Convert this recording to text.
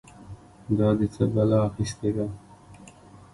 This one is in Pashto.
دا دې څه بلا اخيستې ده؟!